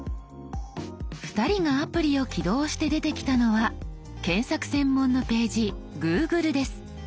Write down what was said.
２人がアプリを起動して出てきたのは検索専門のページ「Ｇｏｏｇｌｅ」です。